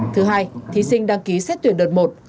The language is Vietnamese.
thứ hai thí sinh đăng ký xét tuyển đợt một